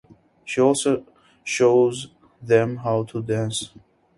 She also shows them how to dance.